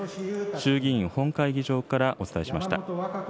衆議院本会議場からお伝えしました。